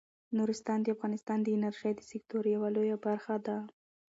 نورستان د افغانستان د انرژۍ د سکتور یوه لویه برخه ده.